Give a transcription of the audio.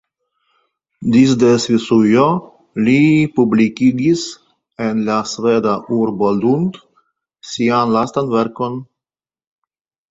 Disde Svisujo li publikigis en la sveda urbo Lund sian lastan verkon.